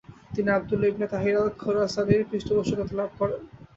তিনি Abdullah ibn Tahir আল-খোরাসানির পৃষ্ঠপোষকতা লাভ করেন।